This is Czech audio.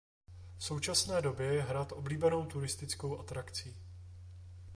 V současné době je hrad oblíbenou turistickou atrakcí.